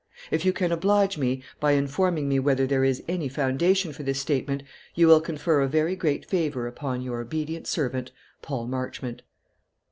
If you can oblige me by informing me whether there is any foundation for this statement, you will confer a very great favour upon "Your obedient servant, "PAUL MARCHMONT."